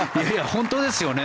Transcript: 本当ですよね。